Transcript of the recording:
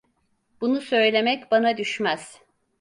Bunu söylemek bana düşmez.